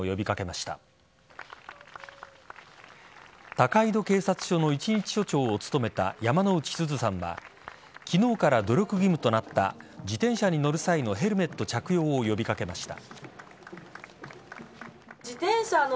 高井戸警察署の一日署長を務めた山之内すずさんは昨日から努力義務となった自転車に乗る際のヘルメット着用を呼び掛けました。